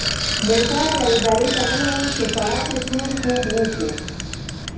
موټر یوې درې ته ننوت چې سړک یې تور کوږ وږ و.